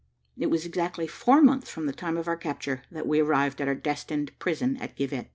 It was exactly four months from the time of our capture, that we arrived at our destined prison at Givet.